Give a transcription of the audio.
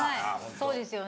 そうですよね。